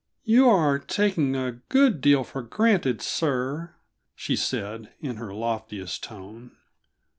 "You are taking a good deal for granted, sir," she said, in her loftiest tone.